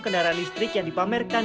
kendaraan listrik yang dipamerkan